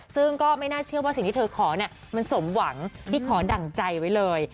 ซึ่งก็ไม่น่าเชื่อว่าสิ่งที่วันนี้เธอขอมันสมหวังที่ขอน่างใจไว้เลย